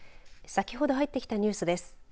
先ほど入ってきたニュースです。